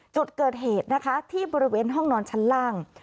จุดเกิดเหตุนะคะที่บริเวณห้องนอนชั้นล่าง